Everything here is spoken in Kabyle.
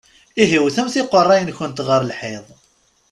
Ihi wwtemt iqeṛṛa-nkent ɣer lḥiḍ!